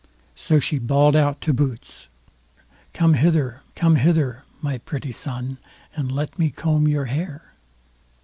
So she bawled out to Boots: "Come hither, come hither, my pretty son, and let me comb your hair."